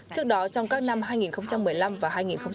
trước đó trong các năm hai nghìn một mươi năm và hai nghìn một mươi tám